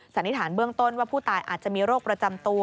สันนิษฐานเบื้องต้นว่าผู้ตายอาจจะมีโรคประจำตัว